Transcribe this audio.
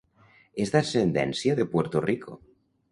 És d'ascendència de Puerto Rico.